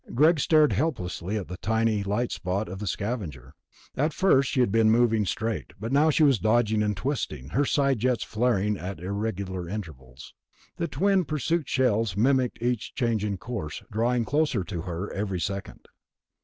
Greg stared helplessly at the tiny light spot of the Scavenger. At first she had been moving straight, but now she was dodging and twisting, her side jets flaring at irregular intervals. The twin pursuit shells mimicked each change in course, drawing closer to her every second.